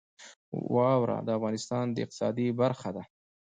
واوره د افغانستان د اقتصاد برخه ده.